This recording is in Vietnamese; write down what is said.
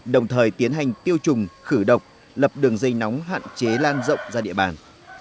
đồng thời tiến hành tiêu trùng khử độc lập đường dây nóng hạn chế lan rộng ra địa bàn